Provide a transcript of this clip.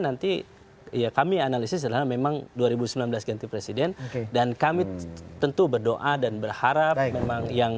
jadi ya kami analisis adalah memang dua ribu sembilan belas ganti presiden dan kami tentu berdoa dan berharap yang